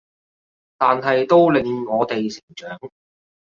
但係都令我哋成長